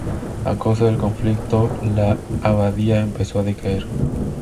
A causa del conflicto, la abadía empezó a decaer.